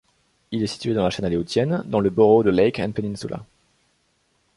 Il est situé dans la chaîne aléoutienne, dans le borough de Lake and Peninsula.